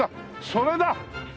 それだ！